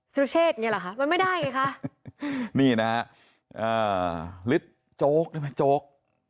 สุเชษเนี่ยเหรอคะมันไม่ได้ไงค่ะนี่นะฮะอ่าลิดโจ๊กได้ไหมโจ๊ก